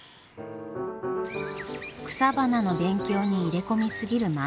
草花の勉強に入れ込み過ぎる万太郎。